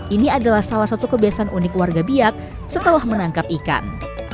ini adalah salah satu kebiasaan unik warga biak setelah menangkap ikan